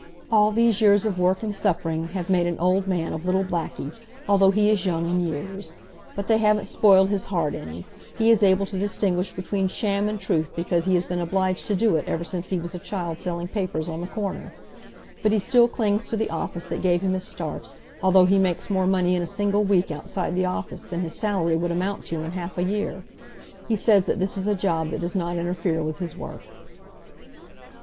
All these years of work and suffering have made an old man of little Blackie, although he is young in years. But they haven't spoiled his heart any. He is able to distinguish between sham and truth because he has been obliged to do it ever since he was a child selling papers on the corner. But he still clings to the office that gave him his start, although he makes more money in a single week outside the office than his salary would amount to in half a year. He says that this is a job that does not interfere with his work."